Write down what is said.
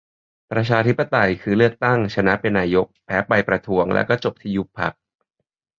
ประชาธิปไตย คือ เลือกตั้ง ชนะเป็นนายก แพ้ไปประท้วง แล้วก็จบที่ยุบพรรค